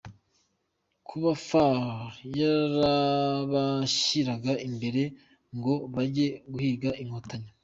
kuba Far yarabashyiraga imbere ngo bage guhiga inkotanyi